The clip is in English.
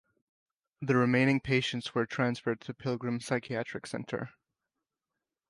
The remaining patients were transferred to Pilgrim Psychiatric Center.